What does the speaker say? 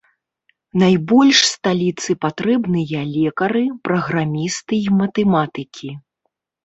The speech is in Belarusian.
Найбольш сталіцы патрэбныя лекары, праграмісты і матэматыкі.